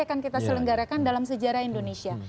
akan kita selenggarakan dalam sejarah indonesia